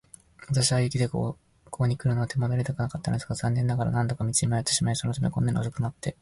私は雪でここにくるのを手間取りたくなかったのだが、残念ながら何度か道に迷ってしまい、そのためにこんなに遅くなってやっと着いたのです。